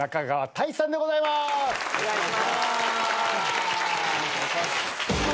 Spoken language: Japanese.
お願いします。